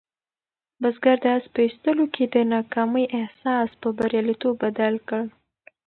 بزګر د آس په ایستلو کې د ناکامۍ احساس په بریالیتوب بدل کړ.